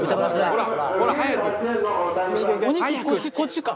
お肉こっちか？